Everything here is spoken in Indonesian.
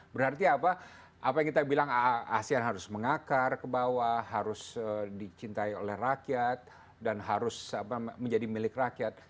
berarti apa yang kita bilang asean harus mengakar ke bawah harus dicintai oleh rakyat dan harus menjadi milik rakyat